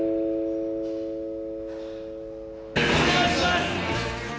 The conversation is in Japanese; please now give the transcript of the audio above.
お願いします。